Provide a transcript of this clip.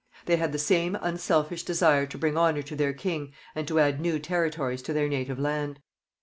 They had the same unselfish desire to bring honour to their king and to add new territories to their native land.